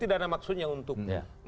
tidak ada maksudnya untuk